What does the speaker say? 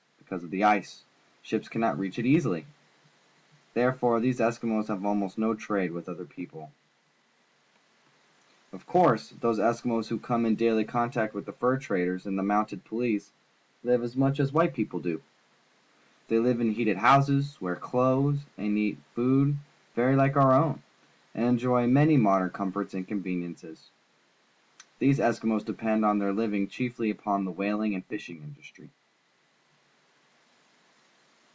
Because of the ice, ships cannot reach it easily. Therefore these Eskimos have almost no trade with other people. Of course, those Eskimos who come in daily contact with the fur traders and the Mounted Police live much as white people do. They live in heated houses, wear clothes and eat food very hke our own, and enjoy many modem comforts and conveniences. These Eskimos depend foi tiieir living cliiefly upon the whaling and fishing industry.